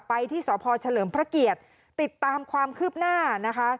ไปที่สพเฉลิมพระเกียรติติดตามความคืบหน้านะคะ